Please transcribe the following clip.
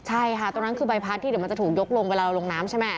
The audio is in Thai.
ใช่ค่ะตรงนั้นคือใบพัดที่เดี๋ยวมันจะถูกยกลงเวลาเราลงน้ำใช่ไหม